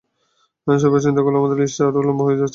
সেভাবে চিন্তা করলে আমাদের লিস্ট আরো লম্বা হয়ে যাচ্ছে।